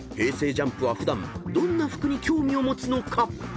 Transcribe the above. ＪＵＭＰは普段どんな服に興味を持つのか］